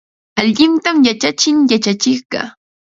Allintam yachachin yachachiqqa.